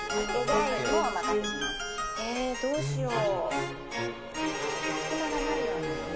えどうしよう。